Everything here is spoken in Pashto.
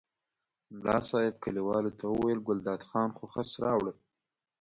ملا صاحب کلیوالو ته وویل ګلداد خان خو خس راوړل.